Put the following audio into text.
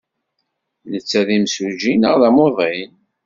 Netta d imsujji neɣ d amuḍin?